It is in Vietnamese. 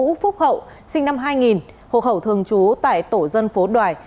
vũ phúc hậu sinh năm hai nghìn hộ khẩu thường trú tại tổ dân phố đoài